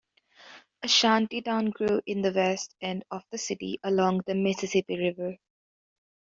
A shantytown grew in the west end of the city along the Mississippi River.